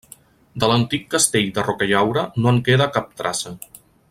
De l'antic castell de Rocallaura no en queda cap traça.